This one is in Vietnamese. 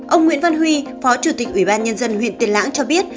ông nguyễn văn huy phó chủ tịch ủy ban nhân dân huyện tiền lãng cho biết